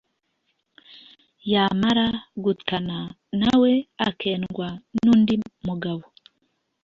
Yamara gutana na we akendwa n’undi mugabo